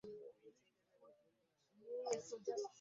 Asabye Ssaabaddu okukwatagana ne Kaggo.